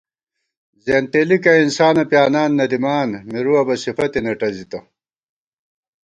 زېنتېلِکہ انسانہ پیانان نہ دِمان، مِرُوَہ بہ سِفَتے نہ ٹَزِتہ